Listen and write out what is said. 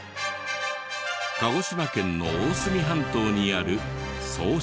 鹿児島県の大隅半島にある曽於市。